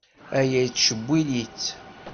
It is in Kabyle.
Aya yettcewwil-itt.